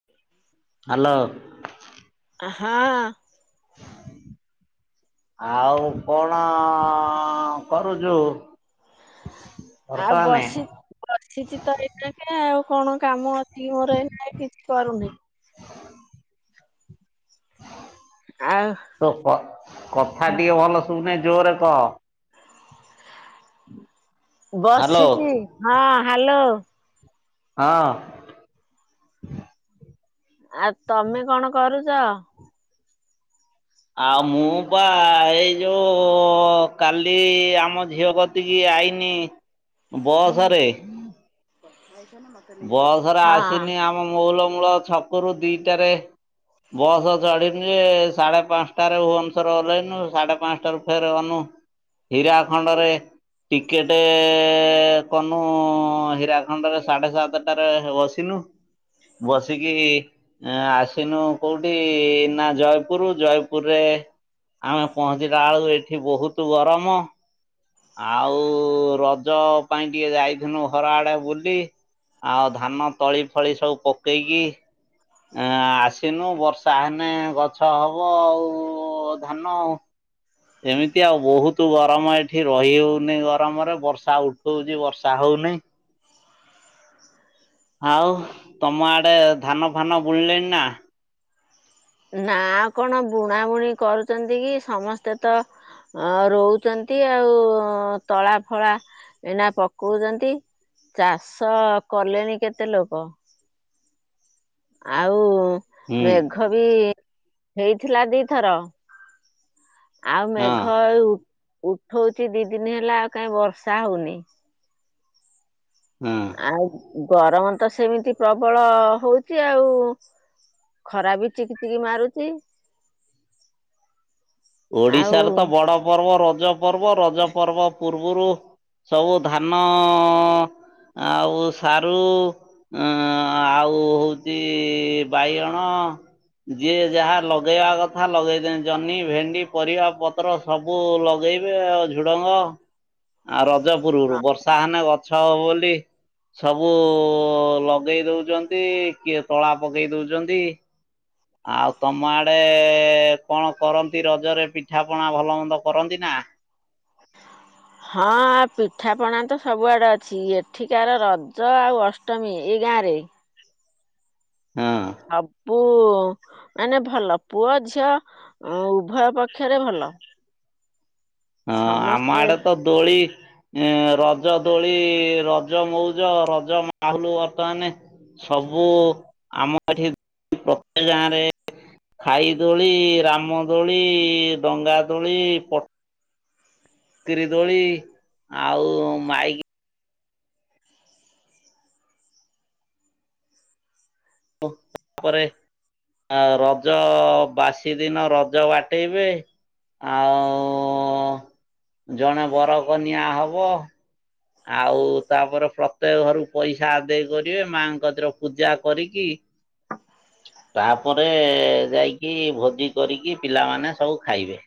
[inaudible] Hello. ହଁ ଅ [inaudible] ଆଉ କଣ କରୁଚୁ? [inaudible] ଆଉ ବସି ବସିଛି ତ ଏଇନାକେ ଆଉ କଣ କାମ ଅଛି ମୋର ଏ କିଛି କରୁନି। ଆଉ ତ କଥା ଟିକେ ଭଲ ଶୁଭୁନାହିଁ, ଯୋରେ କହ? [inaudible] ହ୍ୟାଲୋ ବସିଛି। ହଁ ହାଲୋ। ହଁ ଅ। ଆଉ ତମେ କଣ କରୁଚ? ଆଉ ମୁଁ ବା ଏଇ ଯୋଉ କାଲି ଆମ ଝିଅ କ ଏତିକି ଆଇନି ବସରେ। [unintelligible] ବସରେ ହଁ ଆସିନି ଆମ ମଉଳ ମୂଳ ଛକରୁ ଦିଟାରେ ବସ୍ ଚଢିନି ଯେ ସାଢେ ପାଞ୍ଚଟାରେ ଭୁବନେଶ୍ୱର ଓହ୍ଲେଇନୁ, ସାଢେ ପାଞ୍ଚଟାରୁ ଫେର ଅନୁ ହୀରା ଖଣ୍ଡରେ ଟିକେଟ୍ କନୁ ହୀରାଖଣ୍ଡରେ ସାଢ଼େ ସାତ ଟାରେ ବସିନୁ, ବସିକି ଆସିନୁ କୋଉଠି? ନା ଜୟପୁର, ଜୟପୁରରେ ଆମେ ପହଞ୍ଚିଲା ବେଳକୁ, ଏଠି ବହୁତ ଗରମ। ଆଉ ରଜ ପାଇଁ ଟିକେ ଯାଇଥିନୁ ଘର ଆଡେ ବୁଲି। ଆଉ ଧାନ ତଳି ଫଳି ସବୁ ପକେଇକି ଏ ଆସିନୁ, ବର୍ଷା ହେଲେ ଗଛ ହବ ଆଉ ଧାନ। ଏମିତି ଆଉ ବହୁତ ତୁ ଗରମ ଏଠି ରହି ହଉନି ଗରମରେ, ବର୍ଷା ଉଠଉଛି ବର୍ଷା ହଉନି। ଆଉ ତମ ଆଡେ ଧାନ ଫାନ ବୁଲିଲେଣି ନା? ନା କଣ ବୁଣା ବୁଣି କରୁଛନ୍ତି କି? ସମସ୍ତେ ତ ହଁ ରହୁଛନ୍ତି ଆଉ, ତଳା ଫଳା ଏନା ପକଉଛନ୍ତି। ଚାଷ କଲେଣି କେତେ ଲୋକ। ଆଉ ହୁଁ ମେଘ ବି ହେଇଥିଲା ଦିଥର। ଆଉ ହଁ ମେଘ ଉଠଉଚି ଦି ଦିନ ହେଲା ଆଉ କାହିଁ ବର୍ଷା ହୋଉନି। ହଁ। ଆଉ ଗରମ ତ ସେମିତି ପ୍ରବଳ ହୋଉଚି ଆଉ। ଖରା ବି ଚିକି ଚିକି ମାରୁଚି। ଆଉ ଓଡିଶାରେ ତ ବଡ ପର୍ବ ରଜ ପର୍ବ, ରଜ ପର୍ବ ପୂର୍ବରୁ। ସବୁ ଧାନ ଆଉ ସାରୁ ଅ ଆଉ ହୋଉଚି ବାଇଗଣ। ଯିଏ ଯାହା ଲଗେଇବା କଥା ଲଗେଇଦନି ଜହ୍ନି ଭେଣ୍ଡି। ପରିବା ପତ୍ର ସବୁ ଲଗେଇବେ ଆଉ ଝୁଡଙ୍ଗ ଆର ଯଜପୁରରୁ ବର୍ଷା ହେଲେ ଗଛ ହବ ବୋଲି ସବୁ ଲଗେଇ ଦୋଉଚନ୍ତି କିଏ ତଳା ପକେଇ ଦୋଉଚନ୍ତି। ଆଉ ତମ ଆଡେ କଣ କରନ୍ତି ରଜରେ ପିଠା ପଣା ଭଲ ମନ୍ଦ କରନ୍ତି ନା? ହଁ ପିଠାପଣା ତ ସବୁଆଡ଼େ ଅଛି, ଏଠିକାର ରଜ ଆଉ ଅଷ୍ଟମୀ ଏଇ ଗାଁରେ ହଁ। ସବୁ ମାନେ ଭଲ ପୁଅ ଝିଅ ଅ ଉଭୟ ପକ୍ଷରେ ଭଲ। ହଁ ଆମ ସମସ୍ତେ ଆଡେ ତ ଦୋଳି ଏ ରଜ ଦୋଳି ରଜ ମଉଜ ରଜ ମାହୁଲୁ ବର୍ତ୍ତମାନ ସବୁ ଆମ ଏଠି ପ୍ରତ୍ୟକ ଗାଁରେ ଖାଇ ଦୋଳି ରାମଦୋଳି ଡଙ୍ଗା ଦୋଳି ପ ଚକିରି ଦୋଳି ଆଉ ମାଇକି [unintelligible] ଆ ରଜ ବାସି ଦିନ ରଜ ବାଟେଇବେ ଆଉ ଜଣେ ବର କନିଆଁ ହବ। ଆଉ ତାପରେ ପ୍ରତ୍ୟେକ ଘରକୁ ପଇସା ଆଦେଇ କରିବେ, ମାଆଙ୍କ କତିରେ ପୂଜା କରିକି ହଁ ତାପରେ ଯାଇକି ଭୋଜି କରିକି ପିଲାମାନେ ସବୁ ଖାଇବେ।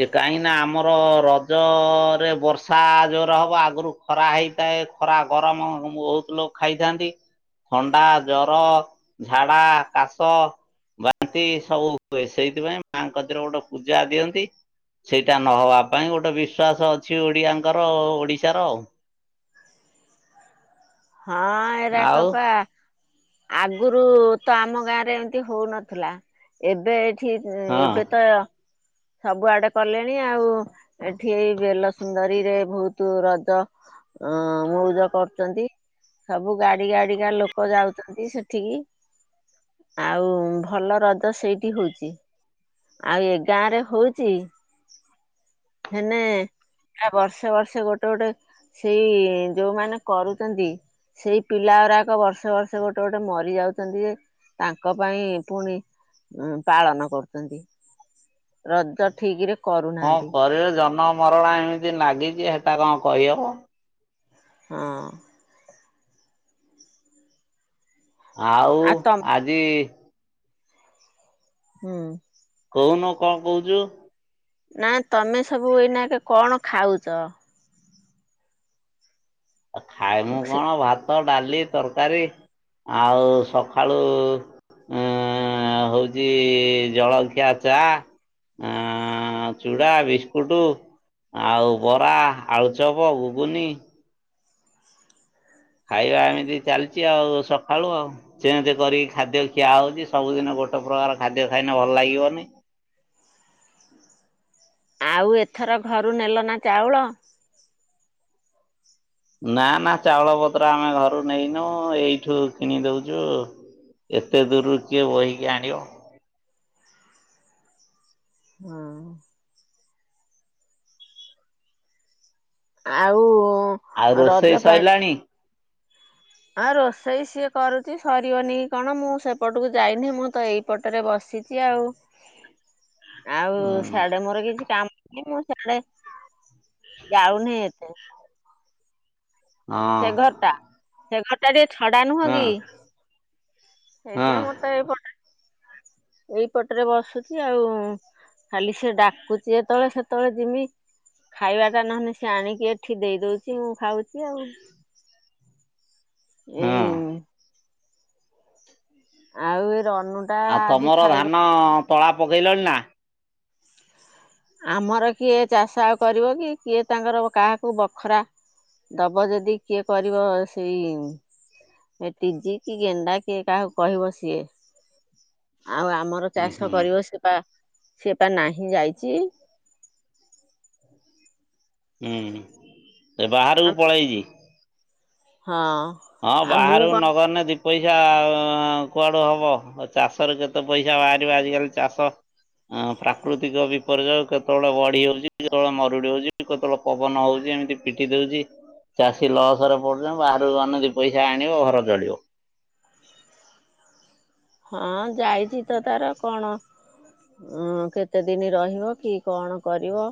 ଯେ କାହିଁକି ଆମର ରଜରେ ବର୍ଷା ଜୋର ହବ, ଆଗରୁ ଖରା ହେଇଥାଏ ଖରା ଗରମ ବୋହୁତ ଲୋକ ଖାଇଥାନ୍ତି। ଥଣ୍ଡା ଜର ଝାଡା କାଶ। ବାନ୍ତି ସବୁ ହୁଏ ସେଇଥିପାଇଁ ମାଙ୍କ କତିରେ ଗୋଟେ ପୂଜା ଦିଅନ୍ତି। ସେଇଟା ନହବା ପାଇଁ ଗୋଟେ ବିଶ୍ଵାସ ଅଛି ଓଡିଆଙ୍କର ଓଡିଶାର ଆଉ। ହଁ ଏଇରା ଆଉ। କପା ଆଗରୁ ତ ଆମ ଗାଁ ରେ ଏମିତି ହୋଉନଥିଲା ଏବେ ଆଉ ଏବେ ତ ସବୁ ଆଡେ କଲେଣି ଆଉ ଏଠି ବେଲ ସୁନ୍ଦରୀରେ ବୋହୁତ ରଜ ହଁ ମଉଜ କରୁଛନ୍ତି ସବୁ ଗାଡି ଗାଡିିକା ଲୋକ ଯାଉଛନ୍ତି ସେଠିକି। ଆଉ ଭଲ ରଜ ସେଇଠି ହଉଛି, ଆଉ ଏ ଗାଁ ରେ ହଉଚି ହେନେ ଆ ବର୍ଷେ ବର୍ଷେ ଗୋଟେ ଗୋଟେ ସେଇ ଯୋଉମାନେ କରୁଚନ୍ତି। ସେଇ ପିଲା ଗୁଡାକ ବର୍ଷେ ବର୍ଷେ ଗୋଟେ ଗୋଟେ ମରି ଯାଉଛନ୍ତି। ତାଙ୍କ ପାଇଁ ପୁଣି ପାଳନ କରୁଛନ୍ତି। ରଜ ଠିକ ରେ ହଁ କରୁନାହାନ୍ତି କରିବେ ଜନ୍ମ ମରଣ ଏମିତି ନାଗିଚି ସେଟା କଣ କହିହେବ। ହଁ। ଆଉ ଆଜି ହୁଁ। କହୁନୁ କଣ କହୁଛୁ? ନା ତମେ ସବୁ ଏଇନା ଏକେ କଣ ଖାଉଛ? ଆ ଖାଏ ମୁଁ ସେ କଣ ଭାତ ଡାଲି ତରକାରୀ ଆଉ ସଖାଳୁ ଅ ହଉଚି ଜଳଖିଆ ଚା ଆଁ ଚୁଡ଼ା ବିସ୍କୁଟ ଆଉ ବରା ଆଳୁଚପ ଘୁଗୁନି ଖାଇବା ଏମିତି ଚାଲିଛି ଆଉ ସଖାଳୁ ଆଉ ଚେଞ୍ଜ କରିକି ଖାଦ୍ୟ ଖିଆ ହଉଛି ସବୁଦିନ ଗୋଟେ ପ୍ରକାର ଖାଦ୍ୟ ଖାଇନେ ଭଲ ଲାଗିବନି। ଆଉ ଏଥର ଘରୁ ନେଲ ନା ଚାଉଳ। ନା ନା ଚାଉଳ ପତ୍ର ଆମେ ଘରୁ ନେଇନୁ ଏଇଠୁ କିଣି ଦଉଛୁ। ଏତେ ଦୂରୁରୁ କିଏ ବୋହିକି ଆଣିବ? ହଁ। ଆଉ ଆଉ ରଜ ରୋଷେଇ ସଇଲାଣି? ଆଉ ରୋଷେଇ ସିଏ କରୁଛି ସରିବନି କି କଣ ମୁଁ ସେପଟକୁ ଯାଇନି ମୁଁ ତ ଏ ଏପଟରେ ବସିଛି ଆଉ [inaudible] ଆଉ ହୁଁ ସେଆଡେ ମୋର କିଛି କାମ ନାହିଁ ସେତେ ହେଲେ ଯାଉନି ଏତେ। ସେ ହଁ ଘରଟା ସେ ଘରଟା ଟିକେ ଛଡା ନୁହଁ କି ହଁ ସେଇଥି ହଁ ପାଇଁ ମତେ ତ ଏପଟେ। ଏଇପଟରେ ବସୁଛି ଆଉ ଖାଲି ସେ ଡାକୁଛି ଯେତେବେଳେ ସେତେବେଳେ ଯିମି ଖାଇବାଟା ନହେଲେ ସିଏ ଆଣିକି ଏଠି ଦେଇ ଦଉଛି ମୁଁ ଖାଉଛି ଆଉ ହଁ। ଏଇ ଆଉ ଏ ରନୁ ଟା ଆଉ ଆଜି ତମର ଖାଇବ ଧାନ ତଳା ପକେଇଲଣି ନା? ଆମର କିଏ ଚାଷ ଆଉ କରିବ କି କିଏ ତାଙ୍କର କାହାକୁ ବଖରା ଦବ ଯଦି କିଏ କରିବ ସେଇ ଏ ଟିଜି କି ଗେଣ୍ଡା କିଏ କାହାକୁ କହିବ ସିଏ ଆଉ ଆମର ତ ହୁଁ ଚାଷ ହୁଁ କରିବ ସେ ପା ସେ ପା ନାହିଁ ଯାଇଛି। ଉଁ ହୁଁ ଏ ବାହାରକୁ ପଳେଇଛି। ହଁ। ହଁ ଆଉ ମୁଁ ବାହାରୁ କଣ ନଗଲେ ନାହିଁ ଦି ପଇସା ଆଁ ଆଁ କୁଆଡୁ ହବ ଆ ଚାଷରେ କେତେ ପଇସା ବାହାରିବ ଆଜିିକାଲି ଚାଷ। ହଁ ପ୍ରାକୃତିକ ବିପର୍ଯ୍ୟୟ କେତେବେଳେ ବଢି ହଉଛି, କେତେବେଳେ ମରୁଡି ହଉଛି, କେତେବେଳେ ପବନ ହଉଛି ଏମିତି ପିଟି ଦଉଛି ଚାଷୀ ଲସରେ ପଡୁଛି ବାହରକୁ ଧାନ ବି ପଇସା ଆଣିବ ଘର ଚଳିବ। ହଁ ଯାଇଛି ତ ତାର କଣ? ହଁ କେତେ ଦିନ ରହିବ କି କଣ କରିବ?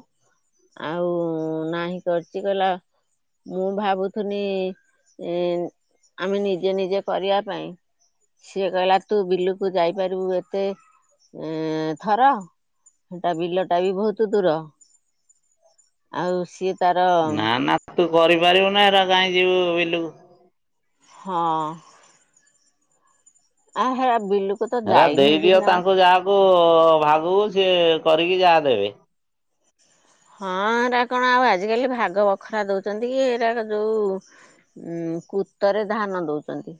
ଆଉ ନାହିଁ କରିଛି କହିଲା ମୁଁ ଭାବୁଥିଲି ଏଁ ଆମେ ନିଜେ ନିଜେ କରିବା ପାଇଁ। ସିଏ କହିଲା ତୁ ବିଲୁକୁ ଯାଇପାରିବୁ ଏତେ, ଥର। ସେଟା ବିଲଟା ବି ବହୁତ ଦୂର ଆଉ ସିଏ ତାର ନା ନା ତୁ କରିପାରିବୁ ନା ଏରା କାହିଁ ଯିବୁ ବିଲକୁ? ହଁ। ଆ ହା ବିଲୁ ହେରା ଦେଇଦିଅ ତାଙ୍କୁ ଯାହାକୁ ଭାଗୁକୁ ସିଏ କରିକି ଯାହା ଦେବେ। ହଁ ଏରା କଣ ଆଉ ଆଜିକାଲି ଭାଗ ବଖରା ଦଉଛନ୍ତି କି ଏଇଟା ଯୋଉ କୁତରେ ଧାନ ଦଉଛନ୍ତି।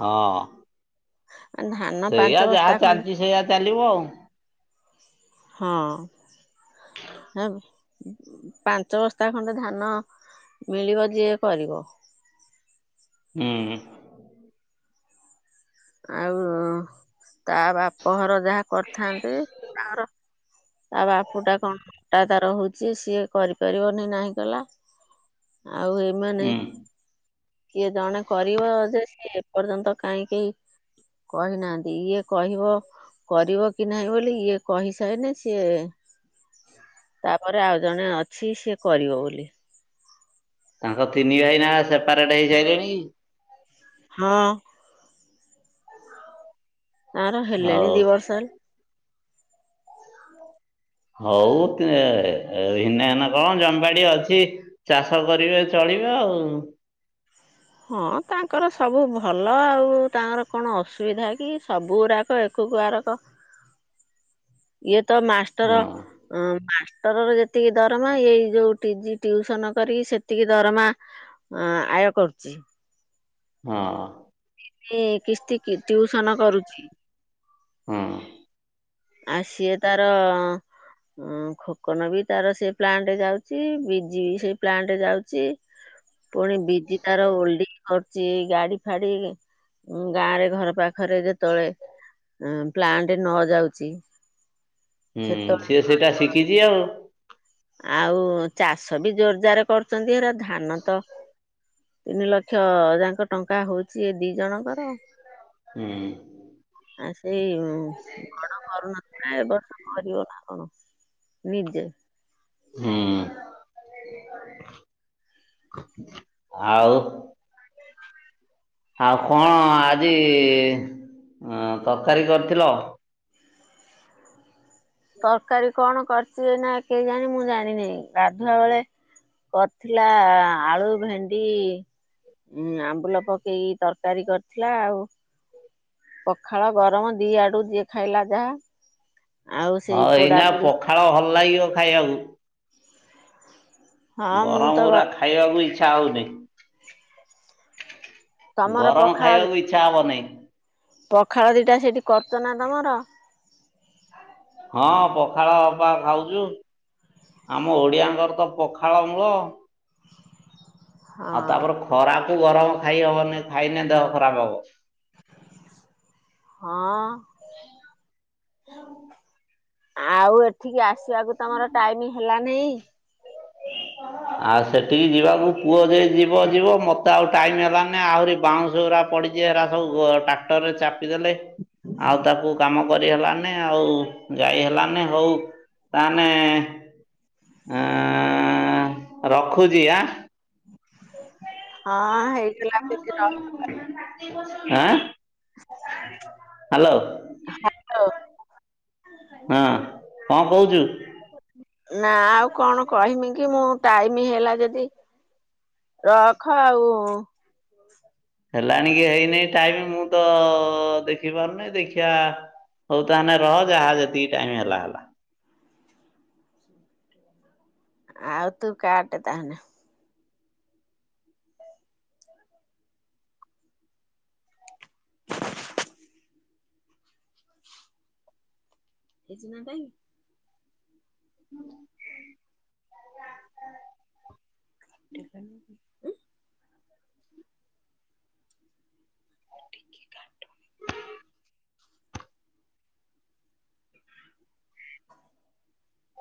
ହଁ। ଧାନ ସେଇଆ ପାଞ୍ଚ ଯାହା ବସ୍ତା ଖଣ୍ଡେ। ଚାଲିଛି ସେଇଆ ଚାଲିବ ଆଉ ହଁ ହେ ପାଞ୍ଚ ବସ୍ତା ଖଣ୍ଡେ ଧାନ ମିଳିବ ଯିଏ କରିବ। ହୁଁ। ଆଉ ତା ବାପ ଘର ଯାହା କରିଥାନ୍ତି ତାର ତା ବାପୁ ଟା କଣ ଅଁଟା ତାର ହଉଚି ସିଏ କରିପାରିବନି ନାହିଁ କଲା। ଆଉ ଏ ମାନେ ହୁଁ କିଏ ଜଣେ କରିବ ଯେ ସେ ଏପର୍ଯ୍ୟନ୍ତ କାହିଁକି। କହି ନାହାନ୍ତି ଇଏ କହିବ। କରିବ କି ନାହିଁ ବୋଲି ଇଏ କହିସାଇନେ ସିଏ ତାପରେ ଆଉ ଜଣେ ଅଛି ସିଏ କରିବ ବୋଲି। ତାଙ୍କ ତିନି ଭାଇନା ସେପାରେଟ ହେଇଯାଇ ଚନ୍ତିକି। ହଁ। ତାର ହେଲେଣି ହଉ। ଦି ବର୍ଷ ହେଲା। ହଉ ଭିନେ ଭାନେ କଣ ଜମି ବାଡି ଅଛି। ଚାଷ କରିବେ ଚଳିବେ ଆଉ ହଁ ତାଙ୍କର ସବୁ ଭଲ ଆଉ ତାଙ୍କର କଣ ଅସୁବିଧା କି ସବୁ ଗୁଡ଼ାକ ଏକକୁ ଆରକ। ଇଏ ତ ମାଷ୍ଟର ହଁ ହଁ ମାଷ୍ଟର ର ଯେତିକି ଦରମା ଏଇ ଯୋଉ ଟୀଜୀ ଟିୟୁସନ କରିକି ସେତିକି ଦରମା। ଅଁ ଆୟ କରୁଛି। ହଁ। କିସ୍ତିକି ଟିୟୁଷନ କରୁଛି। ହଁ। ଆ ସିଏ ତାର ହ ଖୋକନ ବି ତାର ସିଏ ପ୍ଲାଣ୍ଟ ଯାଉଛି ବିଜି ବି ସେଇ ପ୍ଲାଣ୍ଟ ଯାଉଛି। ପୁଣି ବିଜି ତାର ଓଲଡିଂ କରୁଛି ଗାଡି ଫାଡି ଗାଁ ରେ ଘର ପାଖରେ ଯେତେବେଳେ ପ୍ଲାଣ୍ଟ ନ ଯାଉ ଚି। ହୁଁ ସିଏ ସେଇଟା ଶିଖିଚି ଆଉ। ଆଉ ଚାଷ ବି ଜୋରଦାର କରୁଛନ୍ତି ଏରା ଧାନ ତ ତିନି ଲକ୍ଷ ଯାଙ୍କ ଟଙ୍କା ହଉଛି ଏ ଦି ଜଣଙ୍କର। ହୁଁ। ଆ ସେଇ ବଡ କରୁନ ଆ ଏ ବର୍ଷ କରିବ ନା କଣ ନିଜେ। ହୁଁ ଆଉ ଆଉ କଣ ଆଜି ତରକାରୀ କରିଥିଲ? ତରକାରୀ କଣ କରିଛି ଏନା କେଜାଣି ମୁଁ ଜାଣିନି ଗାଧୁଆ ବେଳେ କରିଥିଲା ଆଳୁ, ଭେଣ୍ଡି ଉଁ ଆମ୍ବୁଲ ପକେଇକି ତରକାରୀ କରିଥିଲା ଆଉ ପଖାଳ ଗରମ ଦି ଆଡୁ ଯିଏ ଖାଇଲା ଯାହା। ଆଉ ହଁ ସେଇ ପୋଡା ଏଇନା ପୋଡି ପଖାଳ ଭଲ ଲାଗିବ ଖାଇବାକୁ। ହଁ ମୁଁ ଗରମ ତ ଗୁରା ଖା ଖାଇବାକୁ ଇଚ୍ଛା ହଉନି। ତମର ଗରମ ପଖାଳ ଖାଇବାକୁ ଇ ଇଚ୍ଛା ହବନେଇ ପଖାଳ ଦିଇଟା ସେଇଠି କରଚ ନା ତମର? ହଁ ପଖାଳ ପା ଖାଉଛୁ। ଆମ ଓଡିଆଙ୍କର ତ ପଖାଳ ମୂଳ। ହଁ ଆଉ ତାପରେ ଖରାକୁ ଗରମ ଖାଇ ହବନି। ଖାଇଲେ ଦେହ ଖରାପ ହବ। ହଁ। ଆଉ ଏଠିକି ଆସିବାକୁ ତମର ଟାଇମ ହେଲାନାଇଁ। ଆଉ ସେଠିକି ଯିବାକୁ ପୁଅ ଯ ଯିବ ଯିବ ମତେ ଆଉ ଟାଇମ୍ ହେଲାନି ଆହୁରି ବାଉଁଶ ଗୁରା ପଡି ଷଚି ହେରା ସବୁ ଟ୍ରାକ୍ଟର ରେ ଚାପିଦେଲେ ଆଉ ତାକୁ କାମ କରି ହେଲାନି। ନି ଆଉ ଯାଇ ହେଲାନେଇ ହଉ ତାନେ ଆଁ ଅଁ ରଖୁଛି ଆଁ। ହଁ ହେଇ [inaudible] ଆଁ। ହ୍ୟାଲୋ ହଁ। କଁ କହୁଚୁ। ନା ଆଉ କଣ କହିମି କି ମୁଁ ଟାଇମ ହେଲା ଯଦି ରଖ ଆଉ। ହେଲାଣିିକି ହେଇନେଇ ଟାଇମ ମୁଁ ତ ଦେଖି ପାରୁନେଇ ଦେଖିଆ ହଉ ତାହେନେ ରହ ଯାହା ଯେତିକି ଟାଇମ ହେଲା ହେଲା। ଆଉ ତୁ କାଟେ ତାହେନେ। ଏ ଚିନା ପାଇଁ। [inaudible] [inaudible]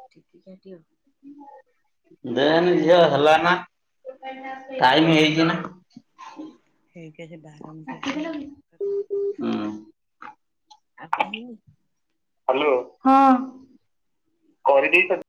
[inaudible] ଦେଏନି ଝିଅ ହେଲା ନା ଟାଇମ୍ ହେଇଚି ନା। [inaudible] ହ୍ୟାଲୋ କରିଦେଇଚ